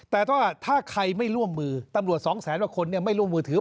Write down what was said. แต่ถ้าใครไม่ร่วมมือตำรวจ๒๐๐๐๐๐คนไม่ร่วมมือถือ